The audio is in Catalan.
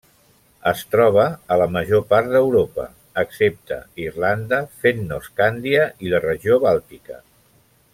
Es troba a la major part d'Europa, excepte Irlanda, Fennoscàndia i la regió bàltica.